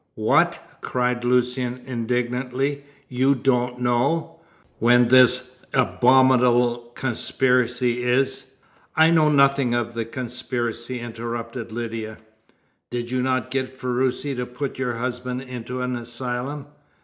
"What?" cried Lucian indignantly. "You don't know when this abominable conspiracy is " "I know nothing of the conspiracy," interrupted Lydia. "Did you not get Ferruci to put your husband into an asylum?"